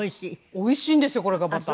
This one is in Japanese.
おいしいんですよこれがまた。